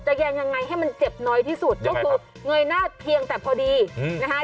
แยงยังไงให้มันเจ็บน้อยที่สุดก็คือเงยหน้าเพียงแต่พอดีนะคะ